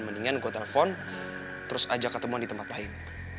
mendingan gue telpon terus ajak ketemu di tempat lain